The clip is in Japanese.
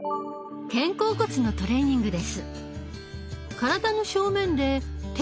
肩甲骨のトレーニングです。